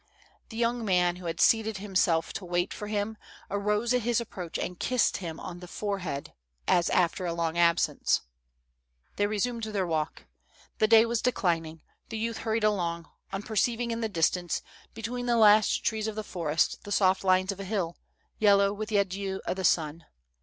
The young man, who had seated himself to wait for him, arose at his approach and kissed him on the forehead, as alter a long absence. *'They resumed their walk. The day was declining. The youth hurried along, on perceiving in the distance, between the last trees of the forest, the soft lines of a hill, yellow with the adieu of the sun.